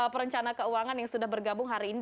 perencana keuangan yang sudah bergabung hari ini